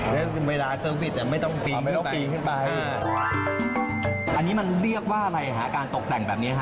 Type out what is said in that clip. แล้วเวลาเซอร์วิสไม่ต้องปีนไม่ต้องปีนขึ้นไปอันนี้มันเรียกว่าอะไรฮะการตกแต่งแบบนี้ฮะ